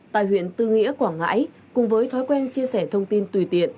tại huyện tư nghĩa quảng ngãi cùng với thói quen chia sẻ thông tin tùy tiện